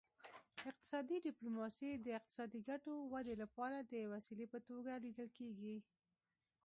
اقتصادي ډیپلوماسي د اقتصادي ګټو ودې لپاره د وسیلې په توګه لیدل کیږي